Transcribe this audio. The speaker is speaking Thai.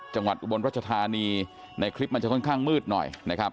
อุบลรัชธานีในคลิปมันจะค่อนข้างมืดหน่อยนะครับ